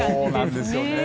そうなんですよね。